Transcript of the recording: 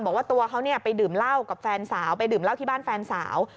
บอกว่าตัวเขาไปดื่มเหล้ากับแฟนสาวไปดื่มเหล้าที่บ้านแฟนสาว